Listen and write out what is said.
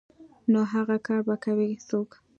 نو اغه کار به کوي څوک.